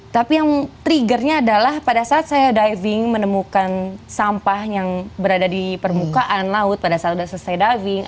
tapi yang triggernya adalah pada saat saya diving menemukan sampah yang berada di permukaan laut pada saat sudah selesai diving